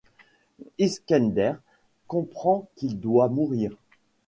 Iskender comprend qu'il doit mourir.